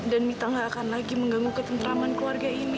dan mita gak akan lagi mengganggu ketentraman keluarga ini